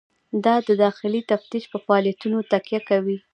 دا د داخلي تفتیش په فعالیتونو تکیه کوي.